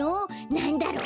なんだろう？